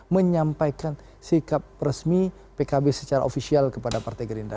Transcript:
menyampaikan sikap resmi pkb secara ofisial kepada partai gerindra